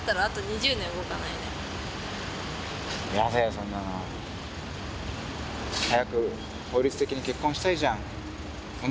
そんなの。早く法律的に結婚したいじゃん。